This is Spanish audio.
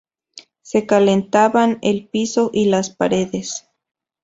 Se calentaban el piso y las paredes.